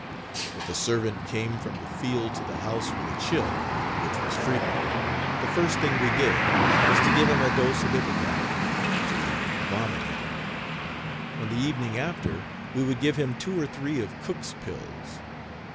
If a servant came from the field to the house with a chill, which was frequent, the first thing we did was to give him a dose of ipecac to Page 68 vomit him. On the evening after, we would give him two or three of Cook's pills.